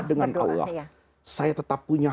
dengan allah saya tetap punya